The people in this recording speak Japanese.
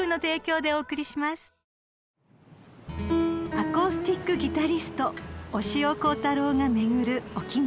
［アコースティックギタリスト押尾コータローが巡る沖縄］